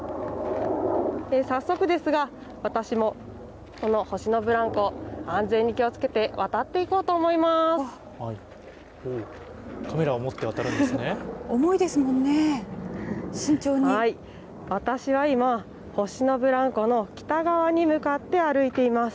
早速ですが私もこの星のブランコ安全に気をつけて渡っていこうと思います。